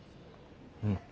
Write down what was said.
うん。